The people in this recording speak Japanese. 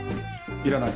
いらない。